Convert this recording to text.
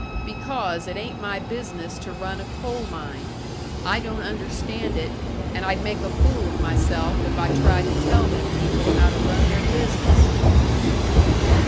"Because it ain't my business to run a coal mine. I don't understand it, and I'd make a fool of myself if I tried to tell them people how to run their business."